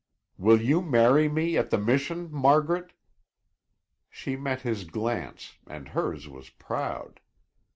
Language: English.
"Will you marry me at the Mission, Margaret?" She met his glance and hers was proud.